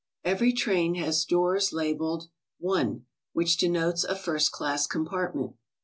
Every train has doors labelled 'T.," which denotes a first class compartment.